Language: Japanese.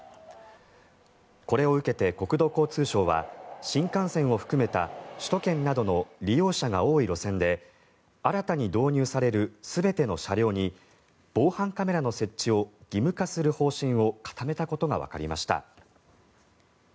これを受けて国土交通省は新幹線を含めた首都圏などの利用者が多い路線で新たに導入される全ての車両に防犯カメラの設置を義務化する方針を固めたことがわかりました。